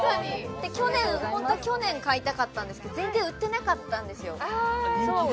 去年ホントは去年買いたかったんですけど全然売ってなかったんですよ